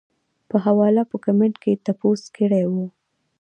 پۀ حواله پۀ کمنټ کښې تپوس کړے وۀ -